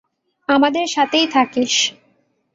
আমাদের সাথেই থাকিস!